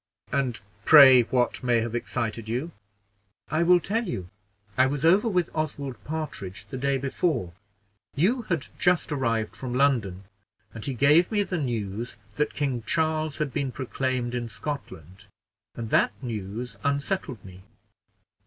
"And pray what may have excited you?" "I will tell you: I was over with Oswald Partridge the day before; you had just arrived from London, and he gave me the news that King Charles had been proclaimed in Scotland, and that news unsettled me."